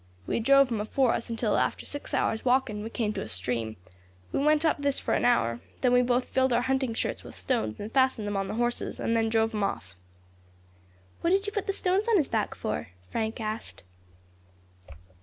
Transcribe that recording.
We drove him afore us until, after six hours' walking, we came to a stream. We went up this for an hour, then we both filled our hunting shirts with stones and fastened them on the horse, and then drove him off." "What did you put the stones on his back for?" Frank asked.